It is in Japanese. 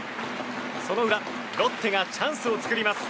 その裏、ロッテがチャンスを作ります。